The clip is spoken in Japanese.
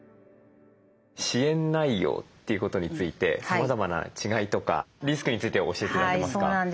支援内容ということについてさまざまな違いとかリスクについて教えて頂けますか。